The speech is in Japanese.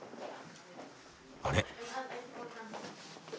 あれ？